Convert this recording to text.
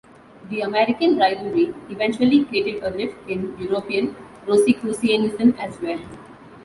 The American rivalry eventually created a rift in European Rosicrucianism as well.